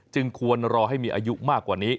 ควรรอให้มีอายุมากกว่านี้